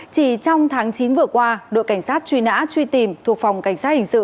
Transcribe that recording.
chỉ trong tháng chín vừa qua đội cảnh sát truy nã truy tìm thuộc phòng cảnh sát hình sự